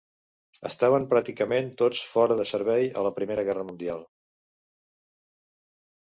Estaven pràcticament tots fora de servei a la Primera Guerra Mundial.